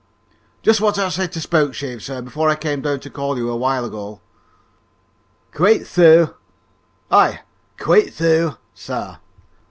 "Just what I said to Spokeshave, sir, before I came down to call you awhile ago." "Quite so." "Aye, `quite so,' sir."